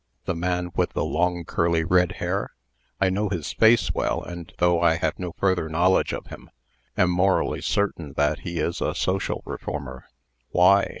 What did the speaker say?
"The man with the long, curly, red hair? I know his face well, and, though I have no further knowledge of him, am morally certain that he is a social reformer." "Why?"